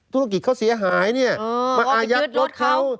ธุรกิจเขาเสียหายเนี่ยมาอายัดรถเขา